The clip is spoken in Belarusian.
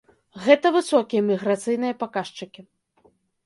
Гэта высокія міграцыйныя паказчыкі.